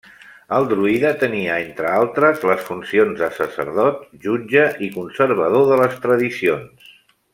El druida tenia, entre altres, les funcions de sacerdot, jutge i conservador de les tradicions.